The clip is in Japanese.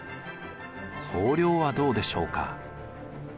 公領はどうでしょうか？